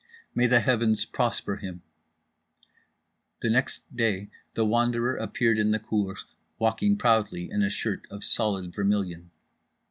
May the Heavens prosper him! The next day The Wanderer appeared in the cour walking proudly in a shirt of solid vermilion.